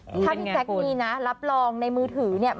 ถ้าพี่แจ๊คมีนะรับรองในมือถือเนี่ย